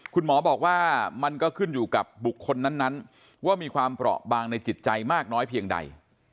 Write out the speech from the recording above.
คุณหมอบอกว่ามันก็ขึ้นอยู่กับบุคคลนั้นว่ามีความเปราะบางในจิตใจมากน้อยเพียงใด